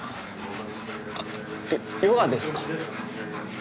あっヨヨガですか？